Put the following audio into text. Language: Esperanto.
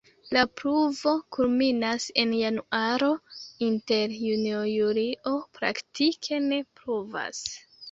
La pluvo kulminas en januaro, inter junio-julio praktike ne pluvas.